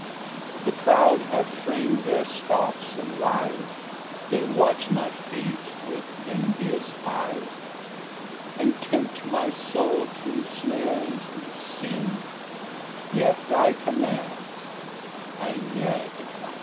2 The proud have fram'd their scoffs and lies, They watch my feet with envious eyes, And tempt my soul to snares and sin, Yet thy commands I ne'er decline.